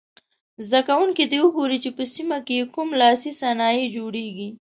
زده کوونکي دې وګوري چې په سیمه کې یې کوم لاسي صنایع جوړیږي.